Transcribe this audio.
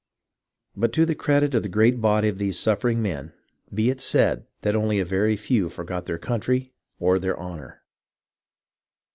But to the credit of the great body of these suffering men be it said that only a very few forgot their country or their honour.